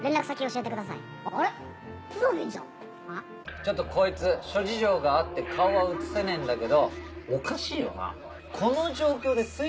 ちょっとこいつ諸事情があって顔は写せねえんだけど。